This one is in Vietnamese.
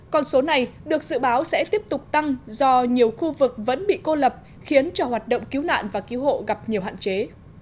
con số này được dự báo sẽ tiếp tục tăng do nhiều khu vực vẫn bị cô lập khiến cho hoạt động cứu nạn và cứu hộ gặp nhiều hạn chế